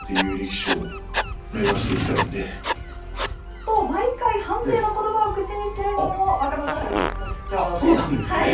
と、毎回反省のことばを口にするのもそうなんですね。